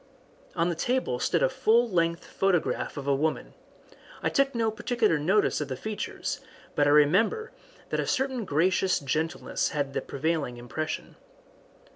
On the table stood a full length photograph of a woman I took no particular notice of the features, but I remember, that a certain gracious gentleness was the prevailing impression.